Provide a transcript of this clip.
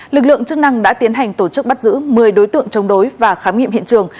lực lượng chức năng đã tiến hành tổ chức bắt giữ một mươi đối tượng chống đối và khám nghiệm hiện trường